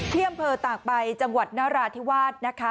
ที่อำเภอตากใบจังหวัดนราธิวาสนะคะ